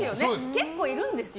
結構いるんですよ。